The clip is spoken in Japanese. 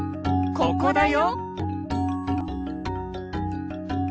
ここだよ。